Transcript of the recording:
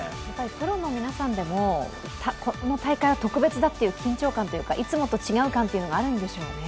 プロの皆さんでも、この大会は特別だという緊張感というか、いつもと違う感があるんでしょうね？